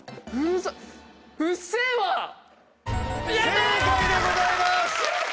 正解でございます！